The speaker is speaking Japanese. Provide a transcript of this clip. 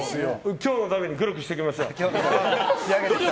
今日のために黒くしてきました。